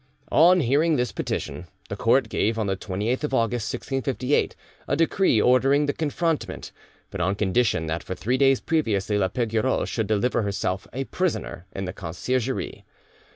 On hearing this petition, the court gave on the 28th of August 1658 a decree ordering the confrontment, but on condition that for three days previously la Pigoreau should deliver herself a prisoner in the Conciergerie.